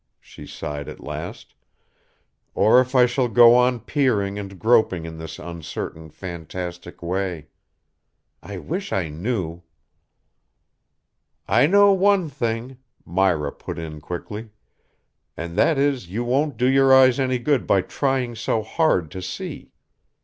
she sighed at last, "or if I shall go on peering and groping in this uncertain, fantastic way. I wish I knew." "I know one thing," Myra put in quickly. "And that is you won't do your eyes any good by trying so hard to see.